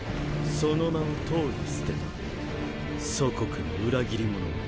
その名はとうに捨てた祖国の裏切り者め。